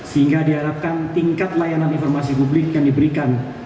sehingga diharapkan tingkat layanan informasi publik yang diberikan